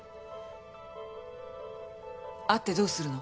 会ってどうするの？